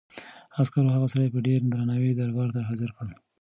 عسکرو هغه سړی په ډېر درناوي دربار ته حاضر کړ.